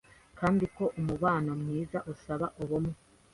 kandi ko umubano mwiza usaba ubumwe